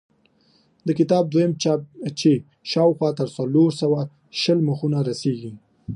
د کتاب دویم چاپ چې شاوخوا تر څلور سوه شل مخونو رسېږي.